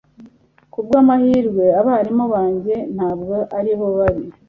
kubwamahirwe, abarimu banjye ntabwo aribo babi